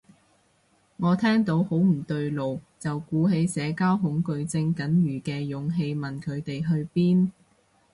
我聽到好唔對路，就鼓起社交恐懼症僅餘嘅勇氣問佢哋去邊